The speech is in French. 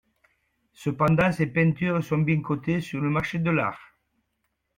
Cependant, ses peintures sont bien cotées sur le marché de l'art.